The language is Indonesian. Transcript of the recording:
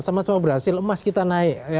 sama sama berhasil emas kita naik